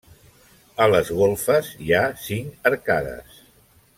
A les golfes hi ha cinc arcades.